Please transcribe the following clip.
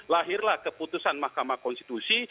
lahirlah keputusan mahkamah konstitusi